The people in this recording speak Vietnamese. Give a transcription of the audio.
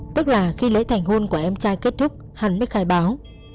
tức là khi lễ thành hôn của em trai kết thúc hắn mới khai báo